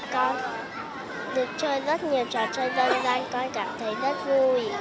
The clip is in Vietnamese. con được chơi rất nhiều trò chơi dân gian con cảm thấy rất vui